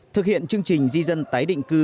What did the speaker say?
thực hiện chương trình di dân tái định cư